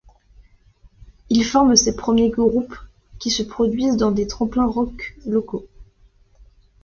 Il forme ses premiers groupes, qui se produisent dans des tremplins rock locaux.